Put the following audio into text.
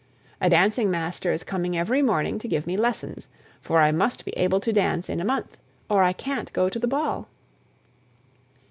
A dancing master is coming every morning to give me lessons, for I must be able to dance in a month, or I can't go to the ball.